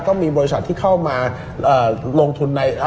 ก็มีบริษัทที่เข้ามาลงทุนใน